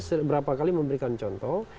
seberapa kali memberikan contoh